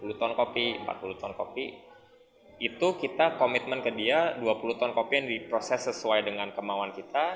sepuluh ton kopi empat puluh ton kopi itu kita komitmen ke dia dua puluh ton kopi yang diproses sesuai dengan kemauan kita